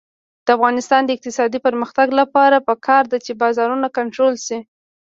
د افغانستان د اقتصادي پرمختګ لپاره پکار ده چې بازارونه کنټرول شي.